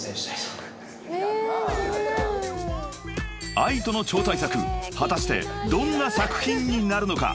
［ＡＩＴＯの超大作果たしてどんな作品になるのか？］